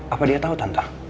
apa dia tau tante